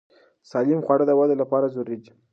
سالم خواړه د وده لپاره ضروري دي.